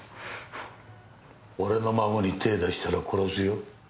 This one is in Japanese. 俺の孫に手出したら殺すよ。